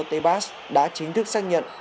tebas đã chính thức xác nhận